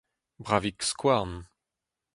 bravig-skouarn